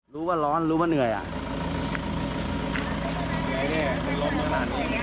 รู้ว่าร้อนรู้ว่าเหนื่อยอะ